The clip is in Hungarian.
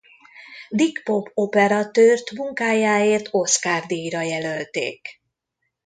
Dick Pope operatőrt munkájáért Oscar-díjra jelölték.